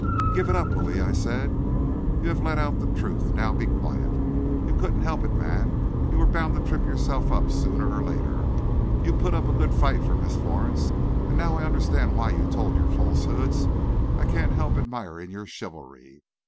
"Give it up, Louis," I said; "you have let out the truth, now be quiet. You couldn't help it, man, you were bound to trip yourself up sooner or later. You put up a good fight for Miss Florence, and now that I understand why you told your falsehoods, I can't help admiring your chivalry.